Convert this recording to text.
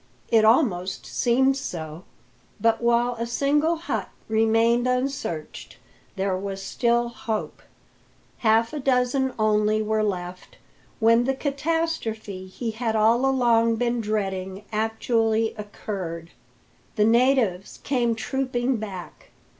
It almost seemed so; but while a single hut remained unsearched there was still hope. Half a dozen only were left, when the catastrophe he had all along been dreading actually occurred. The natives came trooping back.